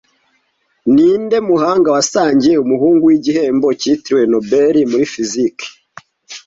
Ninde muhanga wasangiye umuhungu we igihembo cyitiriwe Nobel muri fiziki